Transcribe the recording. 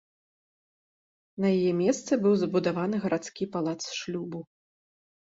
На яе месцы быў збудаваны гарадскі палац шлюбу.